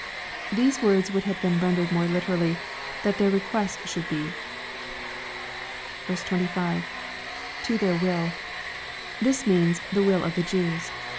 ] These words would have been rendered more literally " that their request should be." 2o. — [To their wiU.] This means " the will of the Jews."